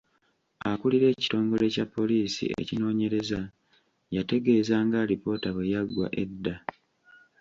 Akulira ekitongole kya poliisi ekinoonyereza yategeeza ng’alipoota bwe yaggwa edda .